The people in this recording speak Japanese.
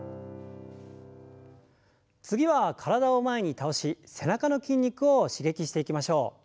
次は体を前に倒し背中の筋肉を刺激していきましょう。